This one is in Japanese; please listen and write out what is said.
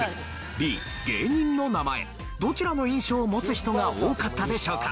どちらの印象を持つ人が多かったでしょうか？